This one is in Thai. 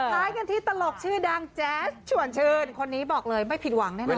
ท้ายกันที่ตลกชื่อดังแจ๊สชวนชื่นคนนี้บอกเลยไม่ผิดหวังแน่นอ